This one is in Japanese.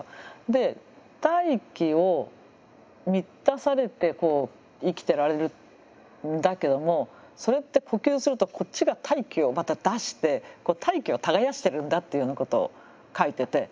で大気を満たされて生きてられるんだけどもそれって呼吸するとこっちが大気をまた出して大気を耕してるんだっていうようなことを書いてて。